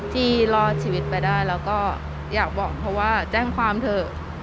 ที่รอดชีวิตไปได้แล้วก็อยากบอกเขาว่าแจ้งความเถอะ